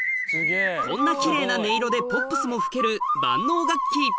こんな奇麗な音色でポップスも吹ける万能楽器